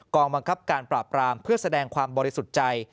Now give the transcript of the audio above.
องบังคับการปราบรามเพื่อแสดงความบริสุทธิ์ใจ